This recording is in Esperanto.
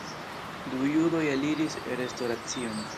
Du judoj eliris restoracion.